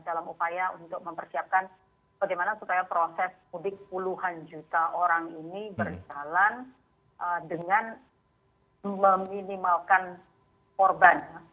dalam upaya untuk mempersiapkan bagaimana supaya proses mudik puluhan juta orang ini berjalan dengan meminimalkan korban